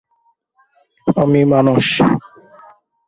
Alaska department of fish and game একে রক্ষা করেছিল।